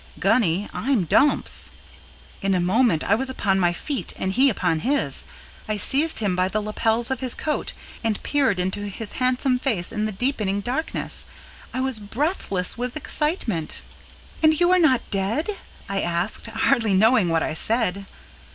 Gunny, I'm Dumps!" In a moment I was upon my feet and he upon his. I seized him by the lapels of his coat and peered into his handsome face in the deepening darkness. I was breathless with excitement. "And you are not dead?" I asked, hardly knowing what I said.